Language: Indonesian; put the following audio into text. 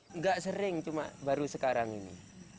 enggak sering cuma baru sekarang ini